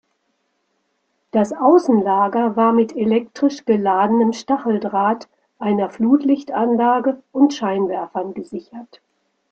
Das Außenlager war mit elektrisch geladenem Stacheldraht, einer Flutlichtanlage und Scheinwerfern gesichert.